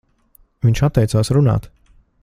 Viņš atteicās runāt.